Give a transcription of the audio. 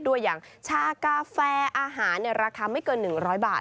ด้วยอย่างชากาแฟอาหารราคาไม่เกิน๑๐๐บาท